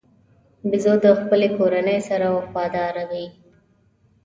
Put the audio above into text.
بیزو د خپلې کورنۍ سره وفاداره وي.